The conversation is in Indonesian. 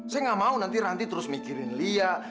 saya gak mau nanti ranti terus mikirin lia